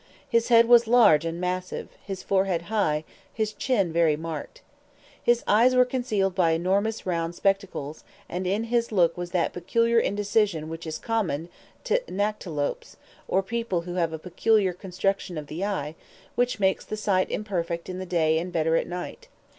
His head was large and massive, his forehead high, his chin very marked. His eyes were concealed by enormous round spectacles, and in his look was that peculiar indecision which is common to nyctalopes, or people who have a peculiar construction of the eye, which makes the sight imperfect in the day and better at night.